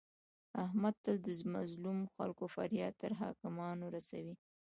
احمد تل د مظلمو خلکو فریاد تر حاکمانو رسوي.